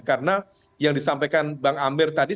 karena yang disampaikan bang amber tadi